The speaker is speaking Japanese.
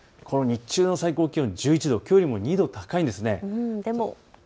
日中の最高気温１１度きょうよりも２度高いんです。